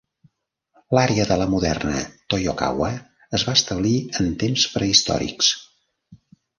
L'àrea de la moderna Toyokawa es va establir en temps prehistòrics.